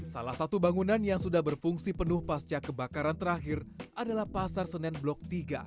salah satu bangunan yang sudah berfungsi penuh pasca kebakaran terakhir adalah pasar senen blok tiga